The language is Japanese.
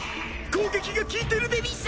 攻撃が効いてるでうぃす！